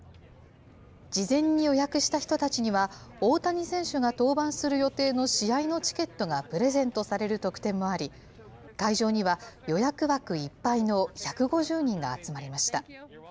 事前に予約した人たちには、大谷選手が登板する予定の試合のチケットがプレゼントされる特典もあり、会場には予約枠いっぱいの１５０人が集まりました。